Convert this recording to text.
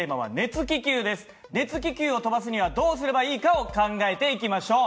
熱気球を飛ばすにはどうすればいいかを考えていきましょう。